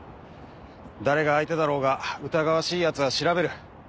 誰が相手だろうが疑わしいヤツは調べる。